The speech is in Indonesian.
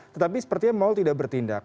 tetapi sepertinya mall tidak bertindak